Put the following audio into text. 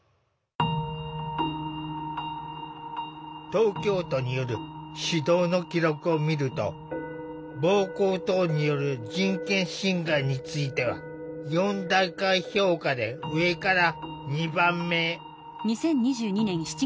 東京都による指導の記録を見ると暴行等による人権侵害については４段階評価で上から２番目。